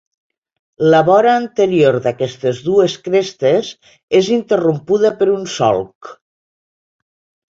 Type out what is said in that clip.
La vora anterior d'aquestes dues crestes és interrompuda per un solc.